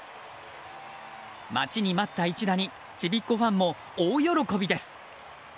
待ちに待った一打にちびっこファンも大喜びです。